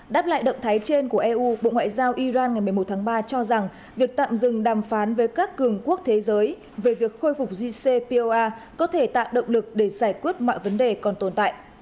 đáp lại động thái trên của eu bộ ngoại giao iran ngày một mươi một tháng ba cho rằng việc tạm dừng đàm phán với các cường quốc thế giới về việc khôi phục jcpoa có thể tạo động lực để giải quyết mọi vấn đề còn tồn tại